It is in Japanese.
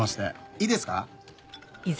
いいですか？